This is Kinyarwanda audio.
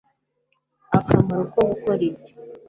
akamaro ko gukora ibyo